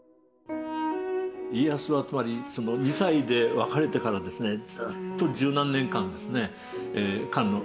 家康はつまり２歳で別れてからですねずっと十何年間ですね。